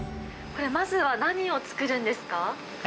これ、まずは何を作るんですか？